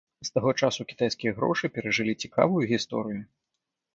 З таго часу кітайскія грошы перажылі цікавую гісторыю.